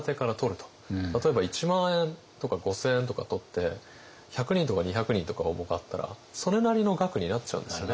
例えば１万円とか５，０００円とか取って１００人とか２００人とか応募があったらそれなりの額になっちゃうんですよね。